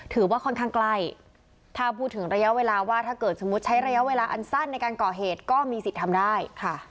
ถือว่าค่อนข้างใกล้ถ้าพูดถึงระยะเวลาว่าถ้าเกิดสมมุติใช้ระยะเวลาอันสั้นในการก่อเหตุก็มีสิทธิ์ทำได้